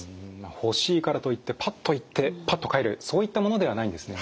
欲しいからといってパッと行ってパッと買えるそういったものではないんですね。